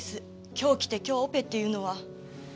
今日来て今日オペっていうのは。